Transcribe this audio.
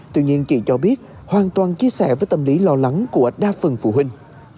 tuy nhiên chị cho biết hoàn toàn chia sẻ với tâm lý lo lắng của đa phần phụ huynh